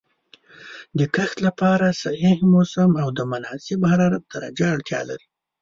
د کښت لپاره صحیح موسم او د مناسب حرارت درجه اړتیا لري.